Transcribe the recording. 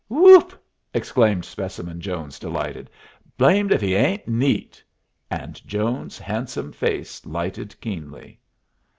"Whoop!" exclaimed Specimen Jones, delighted. "Blamed if he ain't neat!" And Jones's handsome face lighted keenly.